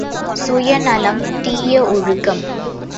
சுயநலம் தீய ஒழுக்கம்!